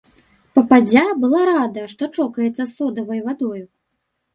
Пападдзя была рада, што чокаецца содавай вадою.